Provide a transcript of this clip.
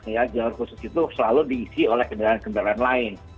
ya jalur khusus itu selalu diisi oleh kendaraan kendaraan lain